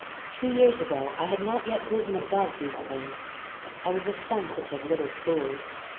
Two years ago I had not yet risen above these things. I was a sensitive little fool.